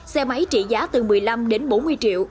xe máy trị giá từ một mươi năm đến bốn mươi triệu